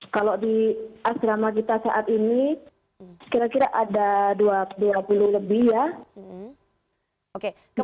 kalau di asrama kita saat ini kira kira ada dua puluh lebih ya